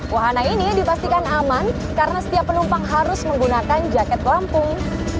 wahana ini dipastikan aman karena setiap penumpang harus menggunakan jaket pelampung